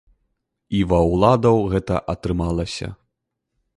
І ва ўладаў гэта атрымалася.